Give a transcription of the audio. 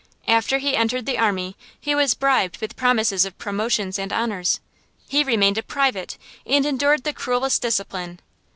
After he entered the army, he was bribed with promises of promotions and honors. He remained a private, and endured the cruellest discipline.